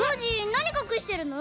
なにかくしてるの？